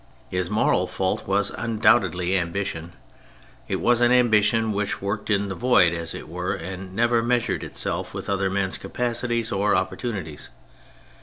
His moral fault was undoubtedly ambition. It was an ambi tion which worked in the void, as it were, and never measured itself with other men's capacities or opportunities.